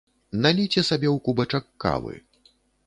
Наліце сабе ў кубачак кавы